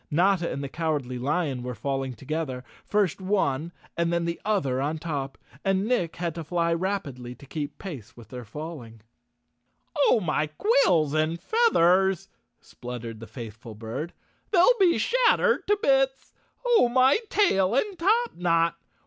Notta and the Cowardly Lion were falling together, first one and then the other on top, and Nick had to fly rapidly to keep pace with their falling. 218 Chapter Sixteen " Oh, my quills and feathers! " spluttered the faithful bird, "they'll be shattered to bits! Oh, my tail and top knot!